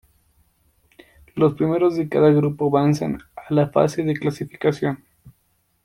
Los primeros de cada grupo avanzan a la fase de clasificación.